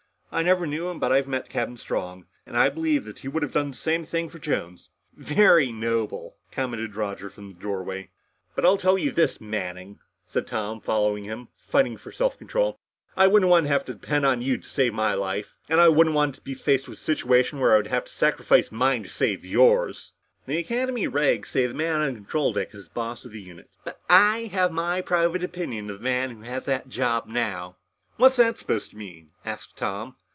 I never knew him. But I've met Captain Strong, and I believe that he would have done the same thing for Jones." "Very noble," commented Roger from the doorway. "But I'll tell you this, Manning," said Tom, following him, fighting for self control, "I wouldn't want to have to depend on you to save my life. And I wouldn't want to be faced with the situation where I would have to sacrifice mine to save yours!" Roger turned and glared at Tom. "The Academy regs say that the man on the control deck is the boss of the unit. But I have my private opinion of the man who has that job now!" "What's that supposed to mean?" asked Tom.